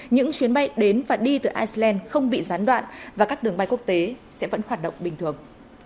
những chuyến bay đến và đi từ iceland không bị gián đoạn và các đường bay quốc tế sẽ vẫn hoạt động bình thường